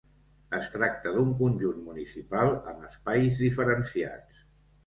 Es tracta d'un conjunt municipal amb espais diferenciats.